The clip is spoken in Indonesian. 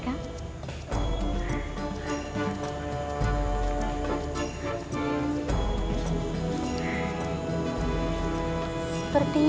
kayaknya kamu lagi bisa berkembang